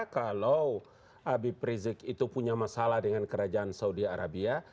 kalau habib rizik itu punya masalah dengan kerajaan saudi arabia